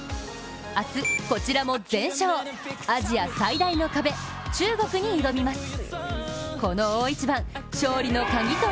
明日、こちらも全勝、アジア最大の壁・中国に挑みます。